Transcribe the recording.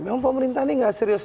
memang pemerintah ini nggak serius